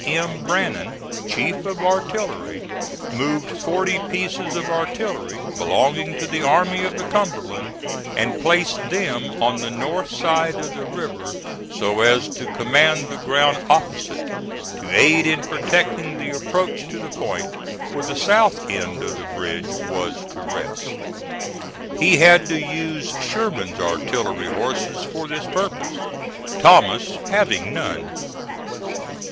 M. Brannan, chief of artillery, moved forty pieces of artillery, belonging to the Army of the Cumberland, and placed them on the north side of the river so as to command the ground opposite, to aid in protecting the approach to the point where the south end of the bridge was to rest. He had to use Sherman's artillery horses for this purpose, Thomas having none.